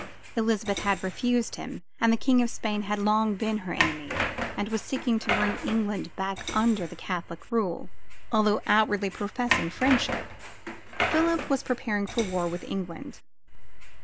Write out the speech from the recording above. Elizabeth had refused him and the King of Spain had long been her enemy, and was seeking to bring England back under the Catholic rule. Although outwardly professing friendship, Philip was preparing for war with England.